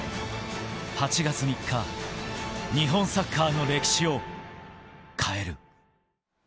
８月３日、日本サッカーの歴史を変える。